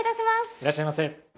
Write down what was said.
いらっしゃいませ。